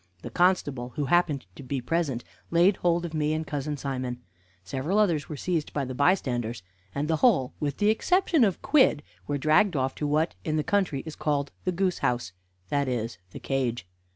The constable, who happened to be present, laid hold of me and cousin Simon; several others were seized by the bystanders; and the whole, with the exception of Quidd, were dragged off to what in the country is called the goose house that is, the cage.